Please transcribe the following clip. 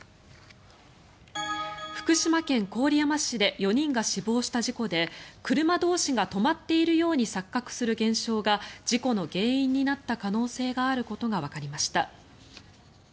福島県郡山市で４人が死亡した事故で車同士が止まっているように錯覚する現象が事故の原因になった可能性があることがわかりました。